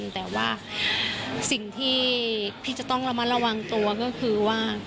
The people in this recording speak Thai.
แต่ว่าสิ่งที่พี่จะต้องระมัดระวังตัวก็คือว่า